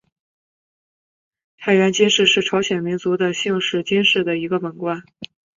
太原金氏是朝鲜民族的姓氏金姓的一个本贯。